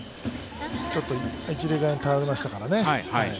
ちょっと一塁側に倒れましたからね。